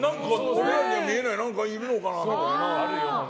俺らには見えない何かいるのかなって。